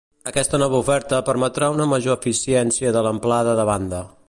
Aquesta nova oferta permetrà una major eficiència de l'amplada de banda.